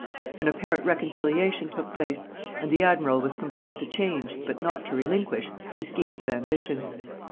An apparent reconciliation took place; and the admiral was compelled to change, but not to relinquish, his schemes of ambition.